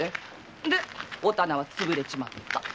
でお店は潰れちまった。